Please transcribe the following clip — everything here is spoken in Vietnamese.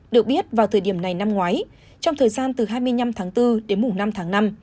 được biết vào thời điểm này năm ngoái trong thời gian từ hai mươi năm tháng bốn đến mùng năm tháng năm